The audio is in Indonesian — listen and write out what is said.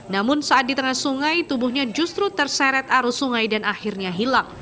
namun saat di tengah sungai tubuhnya justru terseret arus sungai dan akhirnya hilang